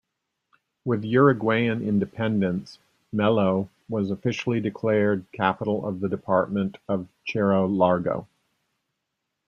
With Uruguayan independence, Melo was officially declared capital of the department of Cerro Largo.